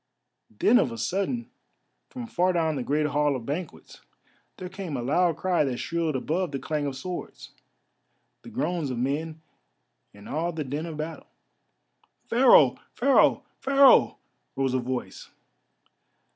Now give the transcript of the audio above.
Then of a sudden, from far down the great hall of banquets, there came a loud cry that shrilled above the clash of swords, the groans of men, and all the din of battle. "Pharaoh! Pharaoh! Pharaoh!" rose a voice.